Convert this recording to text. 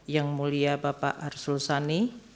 yang mulia bapak arsulsani